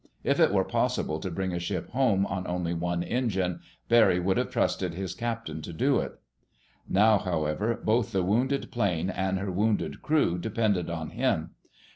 If it were possible to bring a ship home on only one engine, Barry would have trusted his captain to do it. Now, however, both the wounded plane and her wounded crew depended on him.